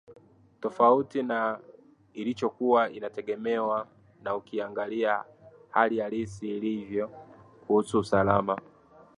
tofauti na ilichokuwa inategemewa na ukiangalia hali halisi ilivyo kuhusu usalama